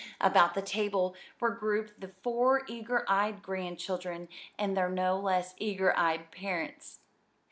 About the table were grouped the four eager eyed grandchildren and their no less eager eyed parents.